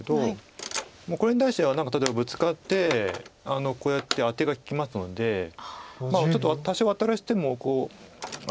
これに対しては何か例えばブツカってこうやってアテが利きますのでちょっと多少ワタらせても。